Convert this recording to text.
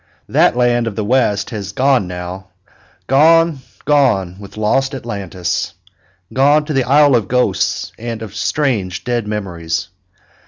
That land of the West has gone now, "gone, gone with lost Atlantis," gone to the isle of ghosts and of strange dead memories.